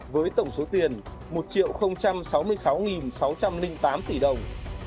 với tổng số tiền một sáu mươi sáu sáu trăm linh tám tỷ đồng